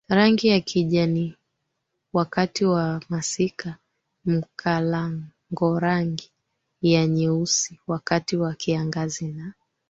rangi ya kijaniwakati wa masikaMkalangorangi ya nyeusiwakati wa kiangazi na